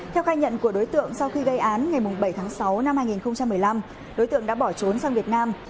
theo khai nhận của đối tượng sau khi gây án ngày bảy tháng sáu năm hai nghìn một mươi năm đối tượng đã bỏ trốn sang việt nam